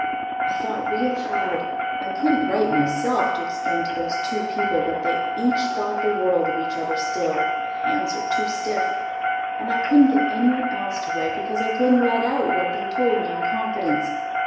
I thought real hard. I couldn't write myself to explain to those two people that they each thought the world of each other still my hands are too stiff; and I couldn't get anyone else to write because I couldn't let out what they'd told me in confidence.